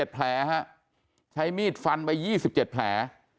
แผลฮะใช้มีดฟันไป๒๗แผล